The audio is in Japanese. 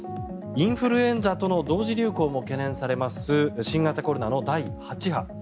インフルエンザとの同時流行も懸念されます新型コロナの第８波。